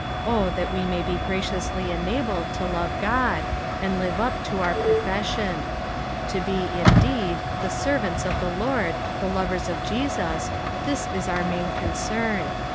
O that we may be graciously enabled to love God, and live up to our profession ! To be, indeed, tiie servants of the Lord, the lovers of Jesus, this ia our main concern.